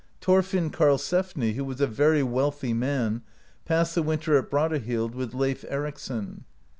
Thorfin Karlsefni, who was a very wealthy man, passed the winter at Brattahlid with Leif Ericsson.